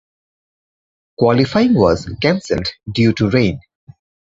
Qualifying was cancelled due to rain.